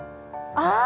ああ！